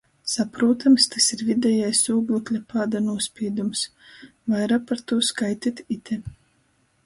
Saprūtams, tys ir videjais ūglekļa pāda nūspīdums. Vaira par tū skaitit ite.